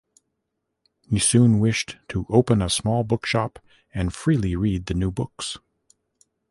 He soon wished "to open a small bookshop and freely read the new books".